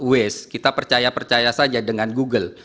waste kita percaya percaya saja dengan google